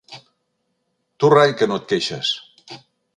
Tu rai, que no et queixes!